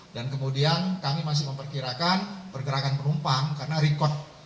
dan kemudian kami masih memperkirakan pergerakan penumpang karena rekod